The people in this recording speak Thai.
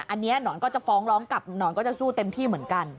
อันนี้หนอนก็จะฟ้องร้องกับหนอนก็จะสู้เต็มที่เหมือนกัน